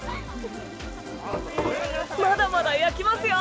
まだまだ焼きますよ！